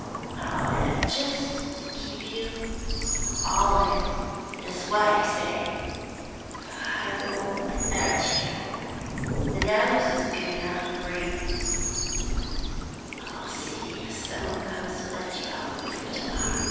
I'll 'ave jist to keep you from 'ollerin' this way, see but I won't hurt you; the nose is good enough for breathin'. I'll see as some one comes to let you out before to morrow mornin'.